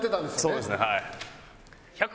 そうですねはい。